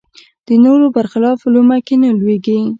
د نورو بر خلاف لومه کې نه لویېږي